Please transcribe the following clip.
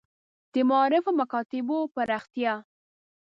د معارف او مکاتیبو پراختیا.